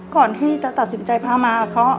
ก่อนที่จะตัดสินใจพามาเขา